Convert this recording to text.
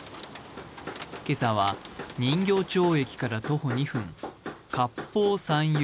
今朝は人形町駅から徒歩２分割烹、三友。